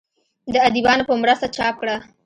د اديبانو پۀ مرسته چاپ کړه